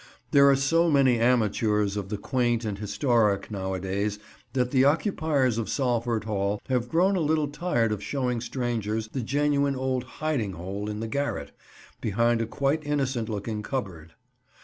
There are so many amateurs of the quaint and historic nowadays that the occupiers of Salford Hall have grown a little tired of showing strangers the genuine old hiding hole in the garret; behind a quite innocent looking cupboard.